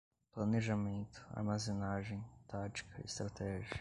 planejamento, armazenagem, tática, estratégia